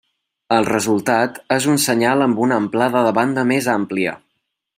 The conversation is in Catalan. El resultat és un senyal amb una amplada de banda més àmplia.